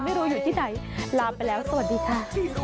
อยู่ที่ไหนลามไปแล้วสวัสดีค่ะ